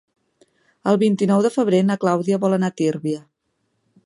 El vint-i-nou de febrer na Clàudia vol anar a Tírvia.